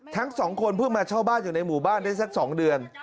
ทั้งสองคนเพิ่งมาเช่าบ้านอยู่ในหมู่บ้านได้สัก๒เดือน